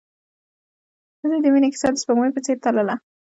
د دوی د مینې کیسه د سپوږمۍ په څېر تلله.